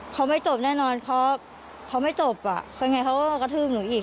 เขาไม่จบแน่นอนเขาไม่จบอ่ะคนไงเขาก็กระทืบหนูอีก